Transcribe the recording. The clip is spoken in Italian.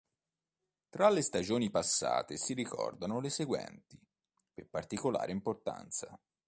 Tra le stagioni passate si ricordano le seguenti, per particolare importanza.